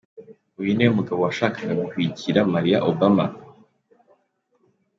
Uyu niwe mugabo washakaga guhwikira Malia Obama